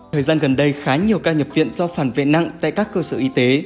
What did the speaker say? thời gian gần đây khá nhiều ca nhập viện do phản vệ nặng tại các cơ sở y tế